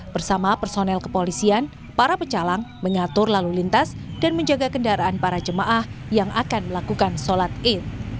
bersama personel kepolisian para pecalang mengatur lalu lintas dan menjaga kendaraan para jemaah yang akan melakukan sholat id